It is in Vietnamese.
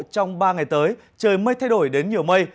trong ba ngày tới trời mây thay đổi đến nhiều mây